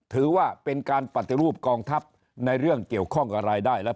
ถือว่าเป็นการปฏิรูปกองทัพในเรื่องเกี่ยวข้องกับรายได้และ